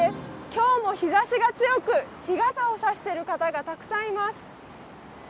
今日も日ざしが強く、日傘を差してる方がたくさんいます。